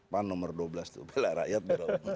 pan nomor dua belas tuh bela rakyat bela umat